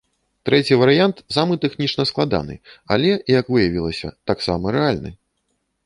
Трэці варыянт самы тэхнічна складаны, але, як выявілася, таксама рэальны.